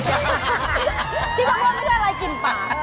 ที่ก็ว่าไม่ใช่อะไรกินป่ะ